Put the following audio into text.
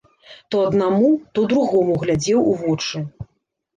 То аднаму, то другому глядзеў у вочы.